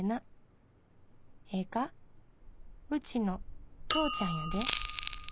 ええかうちのとーちゃんやで。